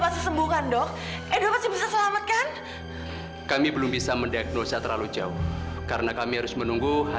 sampai jumpa di video selanjutnya